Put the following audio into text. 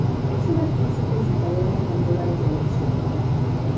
Es una actriz y presentadora española de televisión.